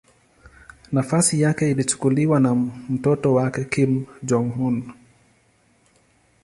Nafasi yake ilichukuliwa na mtoto wake Kim Jong-un.